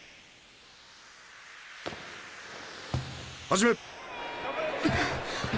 始め！